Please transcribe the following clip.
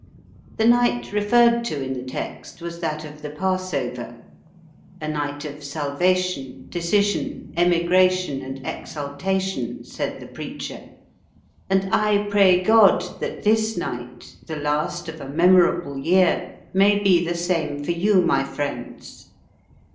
The night referred to in the text was that of the Passover "a night of salvation, decision, emigration, and exultation," said the preacher, "and I pray God that this night, the last of a memorable year, may be the same for you, my friends.